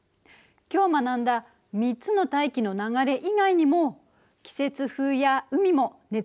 今日学んだ３つの大気の流れ以外にも季節風や海も熱を運んでいるの。